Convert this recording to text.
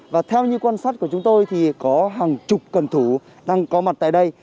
và theo như quan sát của chúng tôi thì có hàng chục cần thủ đang có mặt tại đây